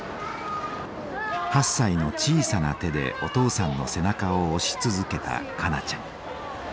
８歳の小さな手でお父さんの背中を押し続けた香菜ちゃん。